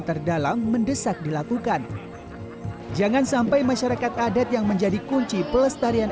terdalam mendesak dilakukan jangan sampai masyarakat adat yang menjadi kunci pelestarian